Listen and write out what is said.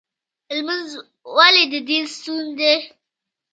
لمونځ ولې د دین ستون دی؟